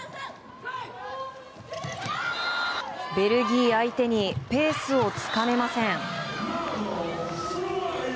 ベルギー相手にペースをつかめません。